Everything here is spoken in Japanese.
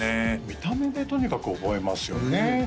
見た目でとにかく覚えますよね